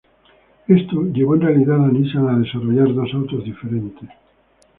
Esto llevó en realidad a Nissan a desarrollar dos autos diferentes.